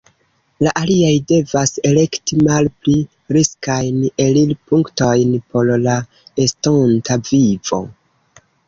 La aliaj devas elekti malpli riskajn elirpunktojn por la estonta vivo.